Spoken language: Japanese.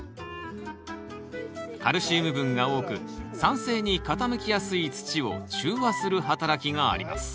カルシウム分が多く酸性に傾きやすい土を中和する働きがあります。